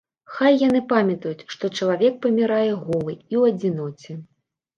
Хай яны памятаюць, што чалавек памірае голы і ў адзіноце.